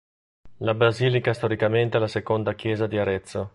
La basilica è storicamente la seconda chiesa di Arezzo.